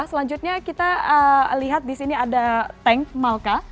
selanjutnya kita lihat di sini ada tank malka